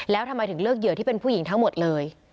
แล้วทำไมถึงเลือกเหยื่อที่เป็นผู้หญิงทั้งหมดเลย